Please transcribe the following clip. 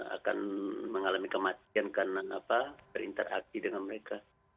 akan mengalami kematian karena berinteraksi dengan mereka